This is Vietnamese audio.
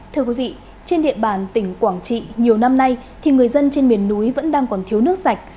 thưa quý vị trên địa bàn tỉnh quảng trị nhiều năm nay thì người dân trên miền núi vẫn đang còn thiếu nước sạch